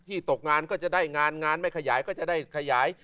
ตกงานก็จะได้งานงานไม่ขยายก็จะได้ขยาย